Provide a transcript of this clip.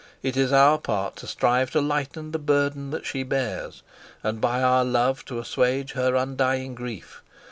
It is our part to strive to lighten the burden that she bears, and by our love to assuage her undying grief.